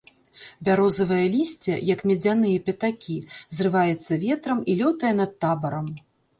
Бярозавае лісце, як медзяныя пятакі, зрываецца ветрам і лётае над табарам.